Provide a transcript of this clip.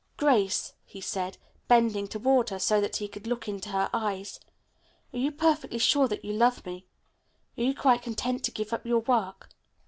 "Grace," he said, bending toward her so that he could look into her eyes, "are you perfectly sure that you love me? Are you quite content to give up your work?